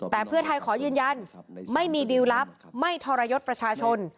แต่เพื่อไทยขอยืนยันไม่มีดิวลลับไม่ทรยศประชาชน